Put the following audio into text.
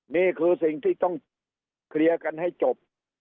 นี่คือสิ่งที่ต้องเคลียร์กันให้จบ